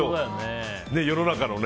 世の中のね。